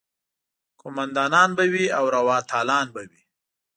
قوماندانان به وي او روا تالان به وي.